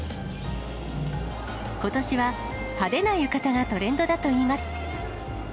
ことしは派手な浴衣がトレンドだといいます。